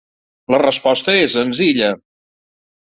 La resposta és senzilla.